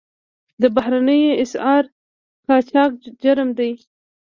د بهرنیو اسعارو قاچاق جرم دی